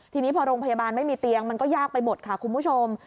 ทีนี้พอโรงพยาบาลไม่มีเตียงมันก็ยากไปหมดค่ะคุณผู้ชม